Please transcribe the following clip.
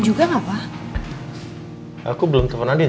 jangan lupa mampir ya ke coffee city